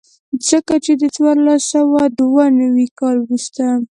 ځکه چې د څوارلس سوه دوه نوي کال وروسته.